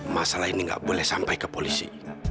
masa lainnya nggak boleh sampai ke polisi